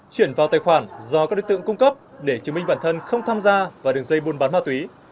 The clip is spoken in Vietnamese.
chuyển vào tài khoản do các đối tượng cung cấp để chứng minh bản thân không tham gia vào đường dây buôn bán ma túy